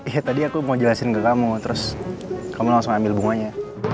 eh tadi aku mau jelasin ke kamu terus kamu langsung ambil bunganya